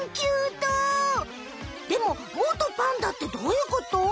でももとパンダってどういうこと？